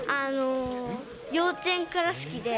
幼稚園から好きで。